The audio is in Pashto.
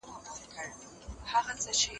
پولیس د جرمونو په اړه سمه پلټنه وکړه.